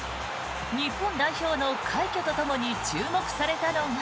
日本代表の快挙とともに注目されたのが。